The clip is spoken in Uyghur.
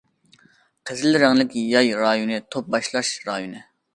قىزىل رەڭلىك ياي رايونى توپ باشلاش رايونى.